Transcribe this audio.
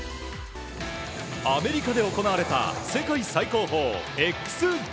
アメリカで行われた世界最高峰ＸＧＡＭＥＳ。